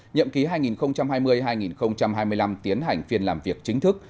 nhậm ký hai nghìn hai mươi hai nghìn hai mươi năm tiến hành phiên làm việc chính thức